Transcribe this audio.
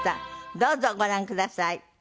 どうぞご覧ください。